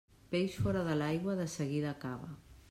Peix fora de l'aigua, de seguida acaba.